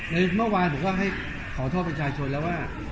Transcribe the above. ดังนั้นเมื่อวานผมควรขอโทษบัญชาชนแล้วว่า